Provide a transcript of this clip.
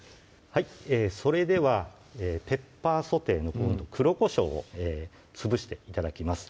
それでは「ペッパーソテー」の黒こしょうを潰して頂きます